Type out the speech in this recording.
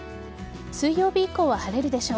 水曜日以降は晴れるでしょう。